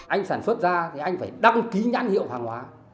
anh sản xuất ra thì anh phải đăng ký nhãn hiệu hàng hóa